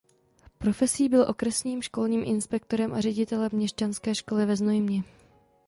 Profesí byl okresním školním inspektorem a ředitelem měšťanské školy ve Znojmě.